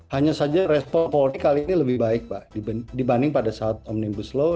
hanya saja respon polri kali ini lebih baik pak dibanding pada saat omnibus law